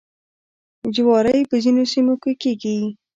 جواری په ځینو سیمو کې کیږي.